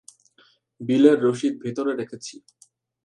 বিলের রশিদ ভেতরে রেখেছি।